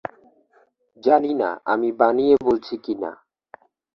জানি না আমি বানিয়ে বলছি কি না।